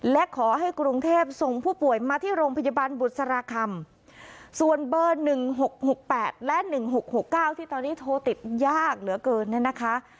และขอให้กรุงเทพส่งผู้ป่วยมาที่โรงพยาบาลบุษราคำส่วนเบอร์๑๖๖๘และ๑๖๖๙ที่ตอนนี้โทรติดยากเหลือเกินเนี่ยนะคะ